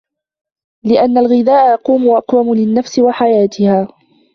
لِأَنَّ الْغِذَاءَ أَقْوَمُ لِلنَّفْسِ وَحَيَاتِهَا